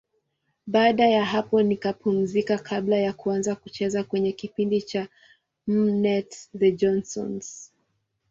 Baada ya hapo nikapumzika kabla ya kuanza kucheza kwenye kipindi cha M-net, The Johnsons.